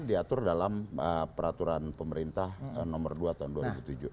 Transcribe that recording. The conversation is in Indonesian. diatur dalam peraturan pemerintah nomor dua tahun dua ribu tujuh